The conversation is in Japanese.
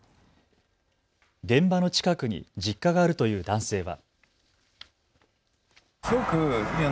現場の近くに実家があるという男性は。